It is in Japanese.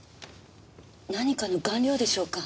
何かの顔料でしょうか。